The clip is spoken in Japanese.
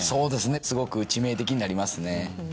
すごく致命的になりますね。